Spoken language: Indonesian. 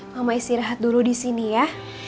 ma mama isi rahat dulu disini ya